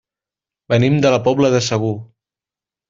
Venim de la Pobla de Segur.